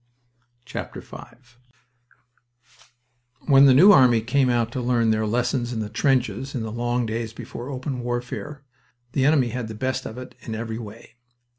V When the New Army first came out to learn their lessons in the trenches in the long days before open warfare, the enemy had the best of it in every way.